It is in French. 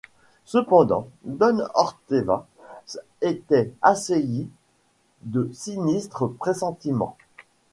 Cependant, don Orteva était assailli de sinistres pressentiments.